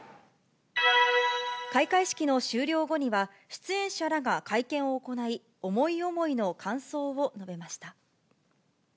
開会式の終了後には、出演者らが会見を行い、思い思いの感想を述べました。